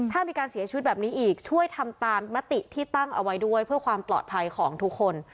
ถ้ามีการเสียชีวิตแบบนี้อีกช่วยทำตามมติที่ตั้งเอาไว้ด้วยเพื่อความปลอดภัยของทุกคน